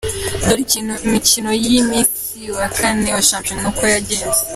Dore indi mikino y’umunsi wa kane wa shampiyona uko Yagenze:.